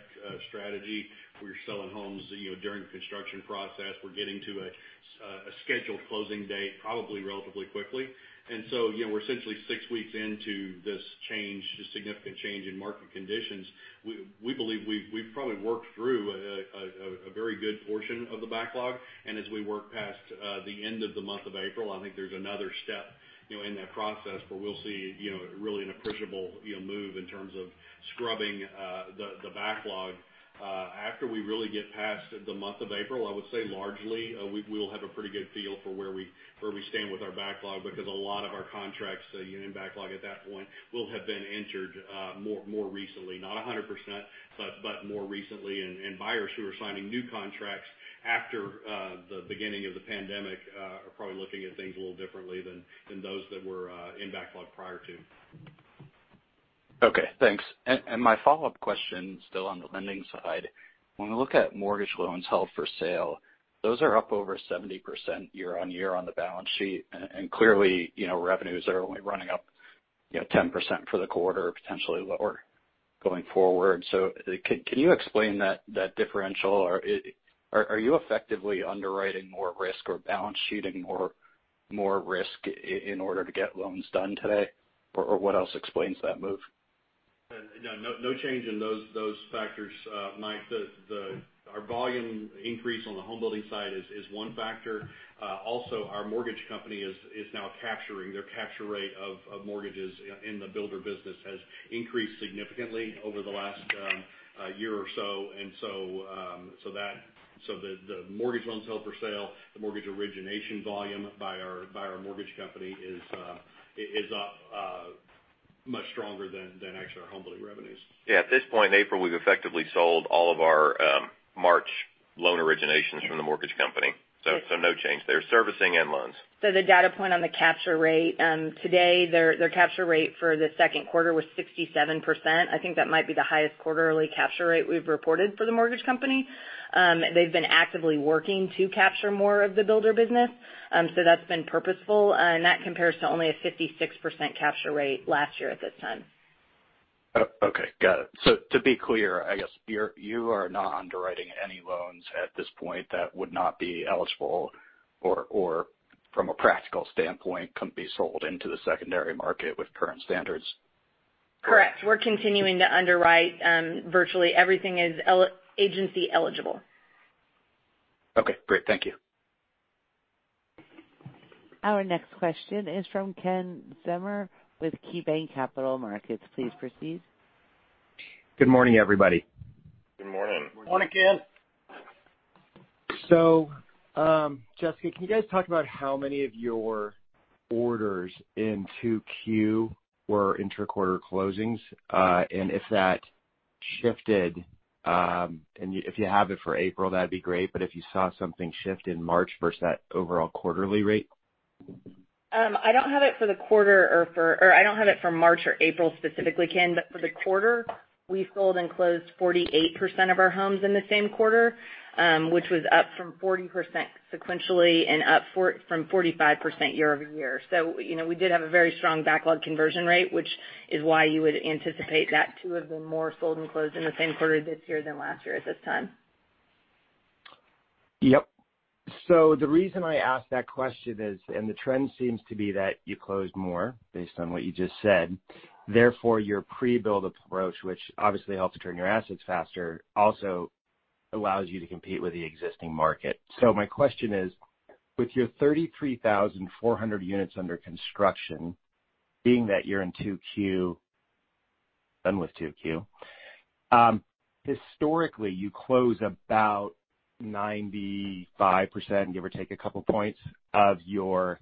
strategy, we're selling homes during the construction process. We're getting to a scheduled closing date probably relatively quickly. We're essentially six weeks into this significant change in market conditions. We believe we've probably worked through a very good portion of the backlog. As we work past the end of the month of April, I think there's another step in that process where we'll see really an appreciable move in terms of scrubbing the backlog. After we really get past the month of April, I would say largely, we will have a pretty good feel for where we stand with our backlog because a lot of our contracts in backlog at that point will have been entered more recently. Not 100%, but more recently. Buyers who are signing new contracts after the beginning of the pandemic are probably looking at things a little differently than those that were in backlog prior to. Okay, thanks. My follow-up question, still on the lending side. When we look at mortgage loans held for sale, those are up over 70% year-over-year on the balance sheet. Clearly, revenues are only running up 10% for the quarter or potentially lower going forward. Can you explain that differential? Are you effectively underwriting more risk or balance sheeting more risk in order to get loans done today? What else explains that move? No change in those factors, Mike. Our mortgage company is now capturing. Their capture rate of mortgages in the builder business has increased significantly over the last year or so. The mortgage loans held for sale, the mortgage origination volume by our mortgage company is much stronger than actually our home building revenues. Yeah, at this point in April, we've effectively sold all of our March loan originations from the mortgage company. No change there, servicing and loans. The data point on the capture rate. Today, their capture rate for the second quarter was 67%. I think that might be the highest quarterly capture rate we've reported for the mortgage company. They've been actively working to capture more of the builder business. That's been purposeful. That compares to only a 56% capture rate last year at this time. Okay, got it. To be clear, I guess you are not underwriting any loans at this point that would not be eligible or from a practical standpoint, can be sold into the secondary market with current standards? Correct. We're continuing to underwrite virtually everything is agency eligible. Okay, great. Thank you. Our next question is from Kenneth Zener with KeyBanc Capital Markets. Please proceed. Good morning, everybody. Good morning. Morning, Ken. Jessica, can you guys talk about how many of your orders in 2Q were inter-quarter closings? If that shifted, and if you have it for April, that'd be great, but if you saw something shift in March versus that overall quarterly rate? I don't have it for March or April specifically, Ken, but for the quarter, we sold and closed 48% of our homes in the same quarter, which was up from 40% sequentially and up from 45% year-over-year. We did have a very strong backlog conversion rate, which is why you would anticipate that to have been more sold and closed in the same quarter this year than last year at this time. Yep. The reason I ask that question is, and the trend seems to be that you closed more, based on what you just said. Your pre-build approach, which obviously helps turn your assets faster, also allows you to compete with the existing market. My question is, with your 33,400 units under construction, being that you're in 2Q, done with 2Q. Historically, you close about 95%, give or take a couple points, of your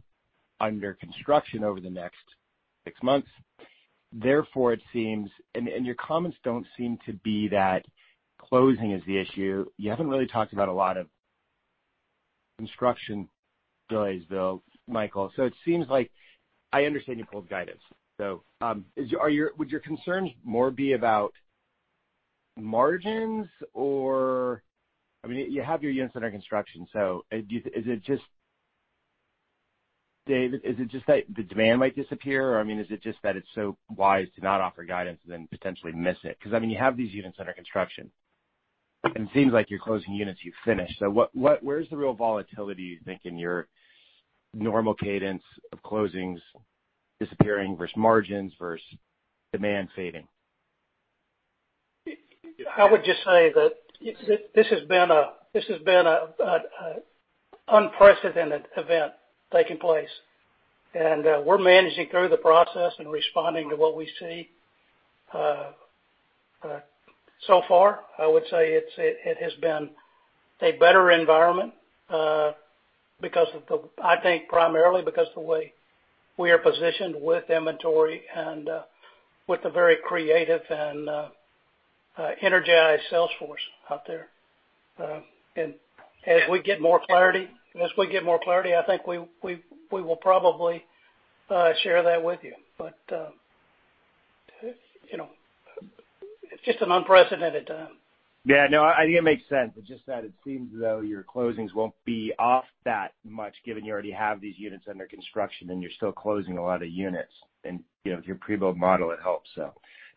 under construction over the next six months. Your comments don't seem to be that closing is the issue. You haven't really talked about a lot of construction delays, though, Michael. I understand you pulled guidance. Would your concerns more be about margins? You have your units under construction, so is it just that the demand might disappear, or is it just that it's so wise to not offer guidance than potentially miss it? You have these units under construction, and it seems like you're closing units you've finished. Where's the real volatility, you think, in your normal cadence of closings disappearing versus margins versus demand fading? I would just say that this has been an unprecedented event taking place, and we're managing through the process and responding to what we see. So far, I would say it has been a better environment, I think primarily because of the way we are positioned with inventory and with a very creative and energized salesforce out there. As we get more clarity, I think we will probably share that with you. It's just an unprecedented time. Yeah, no, I think it makes sense. It's just that it seems as though your closings won't be off that much, given you already have these units under construction, and you're still closing a lot of units. With your pre-build model, it helps.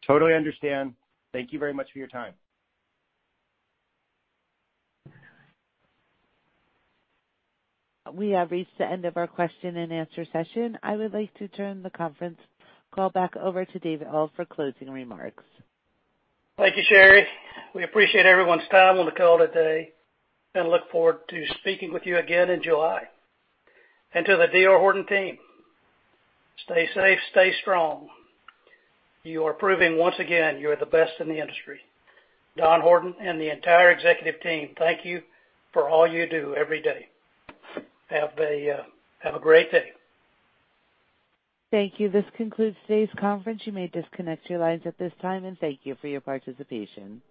Totally understand. Thank you very much for your time. We have reached the end of our question-and-answer session. I would like to turn the conference call back over to David Auld for closing remarks. Thank you, Sherry. We appreciate everyone's time on the call today and look forward to speaking with you again in July. To the D.R. Horton team, stay safe, stay strong. You are proving once again, you're the best in the industry. Don Horton and the entire executive team thank you for all you do every day. Have a great day. Thank you. This concludes today's conference. You may disconnect your lines at this time, and thank you for your participation.